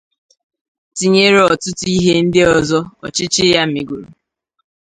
tinyere ọtụtụ ihe ndị ọzọ ọchịchị ya megoro.